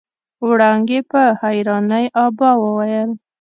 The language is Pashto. وړانګې په حيرانۍ ابا وويل.